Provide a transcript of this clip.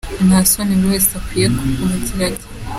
Nta soni buri wese akwiriye kuba agira.